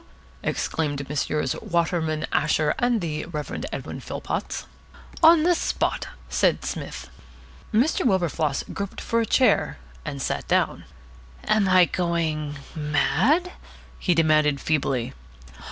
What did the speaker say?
exclaimed Messrs. Waterman, Asher, and the Reverend Edwin Philpotts. "On the spot!" said Psmith. Mr. Wilberfloss groped for a chair and sat down. "Am I going mad?" he demanded feebly.